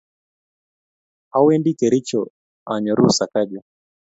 Awendi Kericho anyuru sakaja